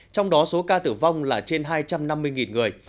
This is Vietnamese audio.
trong đó số ca tử vong là trên hai trăm năm mươi người